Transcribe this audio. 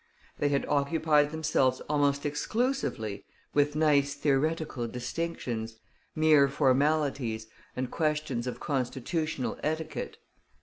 They had occupied themselves almost exclusively with nice theoretical distinctions, mere formalities, and questions of constitutional etiquette.